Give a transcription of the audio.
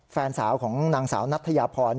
แฟนสาวของนางสาวนัทยาพร